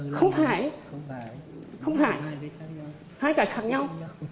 không phải không phải hai cái khác nhau